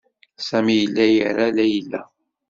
Sami yella ira Layla.